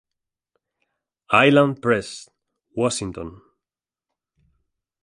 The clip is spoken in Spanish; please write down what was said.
Island Press, Washington.